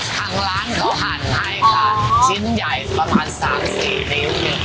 ทางร้านเขาหั่นให้ค่ะอ๋อชิ้นใหญ่ประมาณสามสี่นิ้วอย่างเงี้ย